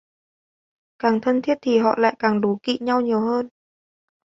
Càng thân thiết thì họ lại càng đố kị nhau nhiều hơn